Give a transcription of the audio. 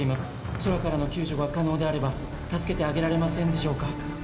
空からの救助が可能であれば助けてあげられませんでしょうか？」。